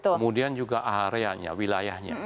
kemudian juga areanya wilayahnya